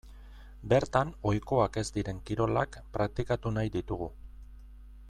Bertan ohikoak ez diren kirolak praktikatu nahi ditugu.